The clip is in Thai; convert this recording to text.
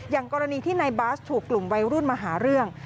อย่างกรณีที่นายบาสถูกกลุ่มวัยรุ่นมาหาเรื่อง